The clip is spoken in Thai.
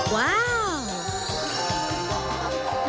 ว้าว